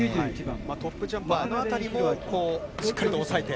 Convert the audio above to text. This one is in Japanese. トップジャンパーはあの辺りも、しっかりと抑えて。